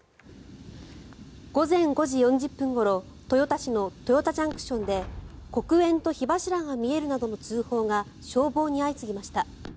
午前５時４０分ごろ豊田市の豊田ＪＣＴで黒煙と火柱が見えるなどの通報が消防に相次ぎました。